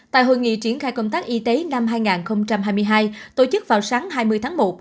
tại hội nghị triển khai công tác y tế năm hai nghìn hai mươi hai tổ chức vào sáng hai mươi tháng một